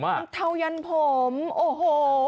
มันเทายันผมโอ้โห